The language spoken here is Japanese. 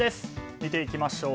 見ていきましょう。